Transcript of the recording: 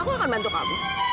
aku akan bantu kamu